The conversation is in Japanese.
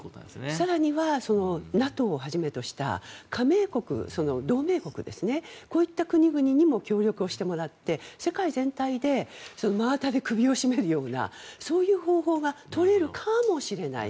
更にはＮＡＴＯをはじめとした加盟国、同盟国ですねこういった国々にも協力をしてもらって世界全体で真綿で首を絞めるようなそういう方法が取れるかもしれない。